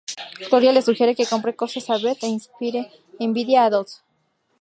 Gloria le sugiere que compre cosas a Bette e inspire envidia en Dot.